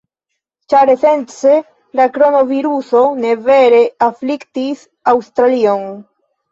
ĉar esence la kronviruso ne vere afliktis Aŭstralion.